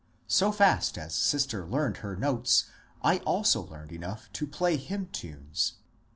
So fast as sister learned her notes I also learned enough to play hymn tunes.